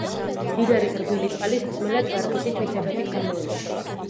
მდინარის რბილი წყალი სასმელად ვარგისი თვისებებით გამოირჩევა.